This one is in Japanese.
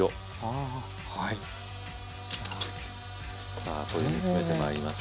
さあこれで煮詰めてまいります。